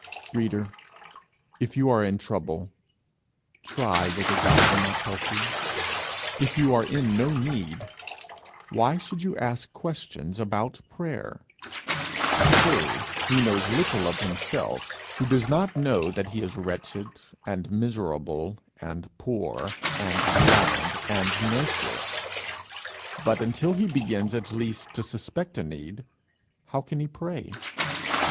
Reader, if you are in any trouble, try whether God will not help you; if you are in no need, why should you ask questions about prayer? True, he knows little of himself who does not know that he is wretched, and miserable, and poor, and blind, and naked; but until he begins at least to suspect a need, how can he pray?